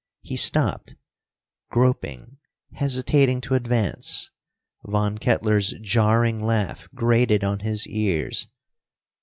He stopped, groping, hesitating to advance. Von Kettler's jarring laugh grated on his ears.